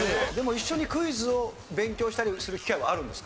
一緒にクイズを勉強したりする機会はあるんですか？